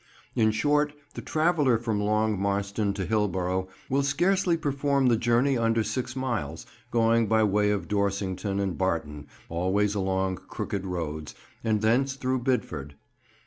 In short, the traveller from Long Marston to Hillborough will scarcely perform the journey under six miles, going by way of Dorsington and Barton, always along crooked roads, and thence through Bidford.